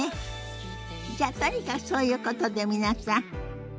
じゃあとにかくそういうことで皆さんごきげんよう。